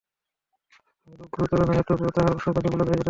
রোগ গুরুতর নহে, তবু তাহার অসুখ ও দুর্বলতা যথেষ্ট।